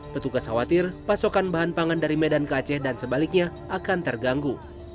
petugas khawatir pasokan bahan pangan dari medan ke aceh dan sebaliknya akan terganggu